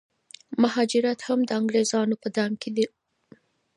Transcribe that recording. مهاراجا هم د انګریزانو په دام کي و.